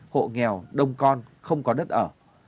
hộ nghèo đông con không có đất ở